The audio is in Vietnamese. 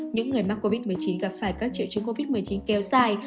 những người mắc covid một mươi chín gặp phải các triệu chứng covid một mươi chín kéo dài